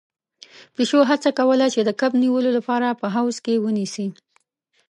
پيشو هڅه کوله چې د کب نيولو لپاره په حوض کې ونيسي.